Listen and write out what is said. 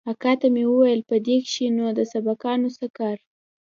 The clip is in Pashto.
اکا ته مې وويل په دې کښې نو د سبقانو څه کار.